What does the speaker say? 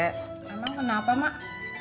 emang kenapa mak